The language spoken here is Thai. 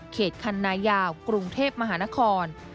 คันนายาวกรุงเทพมหานคร